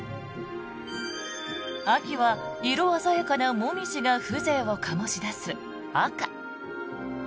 秋は色鮮やかなモミジが風情を醸し出す赤。